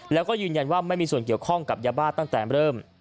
แล้วก็ยืนยันว่าไม่มีส่วนเกี่ยวข้องกับยาบ้าตั้งแต่เริ่ม